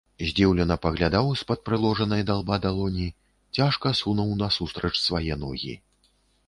Здзіўлена паглядаў з-пад прыложанай да лба далоні, цяжка сунуў насустрач свае ногі.